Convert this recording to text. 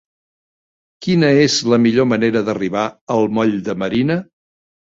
Quina és la millor manera d'arribar al moll de Marina?